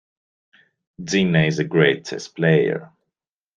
Gina is a great chess player.